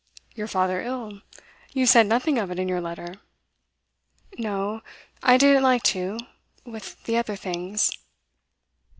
'Your father ill? You said nothing of it in your letter.' 'No I didn't like to with the other things.